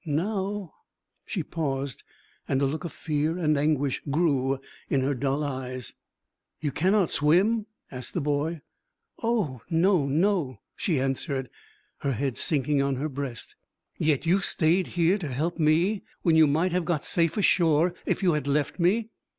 Now ' She paused, and a look of fear and anguish grew in her dull eyes. 'You cannot swim?' asked the boy. 'Oh, no, no!' she answered, her head sinking on her breast. 'Yet you stayed here to help me when you might have got safe ashore if you had left me?